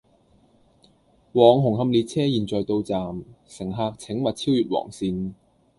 往紅磡列車現在到站，乘客請勿超越黃線